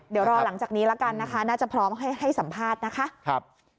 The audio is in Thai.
เดี๋ยวรอหลังจากนี้ละกันนะคะน่าจะพร้อมให้สัมภาษณ์นะคะ